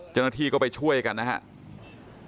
จนทีก็ไปช่วยกันนะครับ